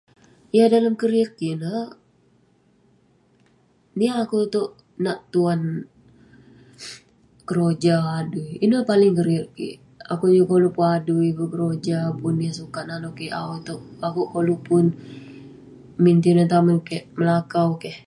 yah dalem keriyet kik ineh, niah akouk itouk nak tuan keroja adui ,ineh paling keriyet kik, akouk juk koluk pun adui, pun keroja pun yah sukat nanouk kik au itouk akouk koluk pun min tinen tamen keik melakau, keh